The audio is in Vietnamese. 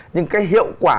nhưng cái hiệu quả